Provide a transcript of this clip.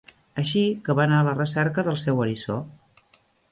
Així que va anar a la recerca del seu eriçó.